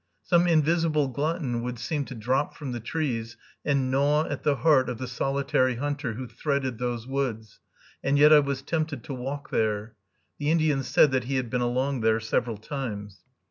Some invisible glutton would seem to drop from the trees and gnaw at the heart of the solitary hunter who threaded those woods; and yet I was tempted to walk there. The Indian said that he had been along there several times.